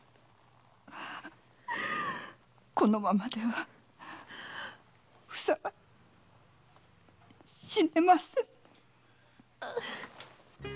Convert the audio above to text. このままではふさは死ねません！